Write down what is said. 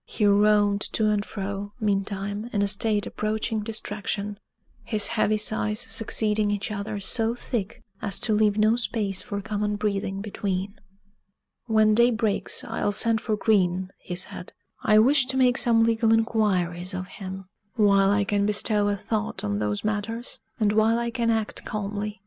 He roamed to and fro, meantime, in a state approaching distraction, his heavy sighs succeeding each other so thick as to leave no space for common breathing between. "When day breaks, I'll send for Green," he said; "I wish to make some legal inquiries of him, while I can bestow a thought on those matters, and while I can act calmly.